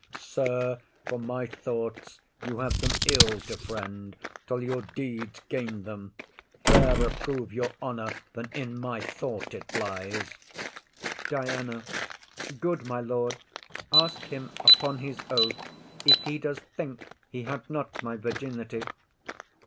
Sir, for my thoughts, you have them ill to friend Till your deeds gain them; fairer prove your honour Than in my thought it lies! DIANA. Good my lord, Ask him upon his oath, if he does think He had not my virginity.